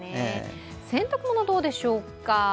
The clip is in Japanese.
洗濯物どうでしょうか？